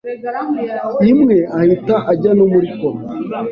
imwe ahita ajya no muri koma,